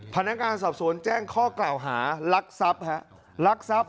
พนักงานสอบสวนแจ้งข้อกล่าวหารักทรัพย์